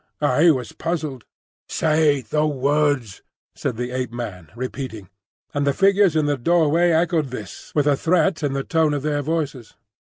I was puzzled. "Say the words," said the Ape man, repeating, and the figures in the doorway echoed this, with a threat in the tone of their voices.